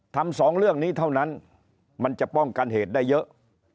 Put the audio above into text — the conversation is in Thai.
สองเรื่องนี้เท่านั้นมันจะป้องกันเหตุได้เยอะ